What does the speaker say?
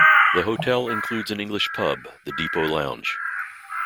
The hotel includes an English pub, The Depot Lounge.